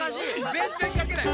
ぜんぜんかけない。